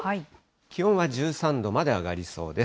気温は１３度まで上がりそうです。